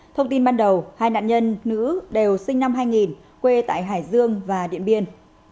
thông tin ban đầu hai nạn nhân nữ đều sinh năm hai nghìn quê tại hải dương và điện biên